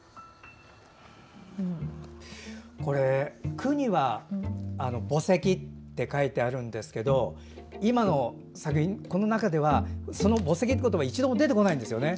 句には墓石って書いてあるんですけど作品の中では墓石という言葉が一度も出てこないんですね。